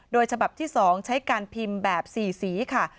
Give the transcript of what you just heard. โดยฉบับที่๒ใช้การพิมพ์แบบ๔สีค่ะ